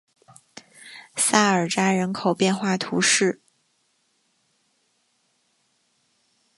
萨尔扎人口变化图示